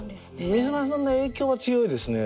三島さんの影響は強いですね。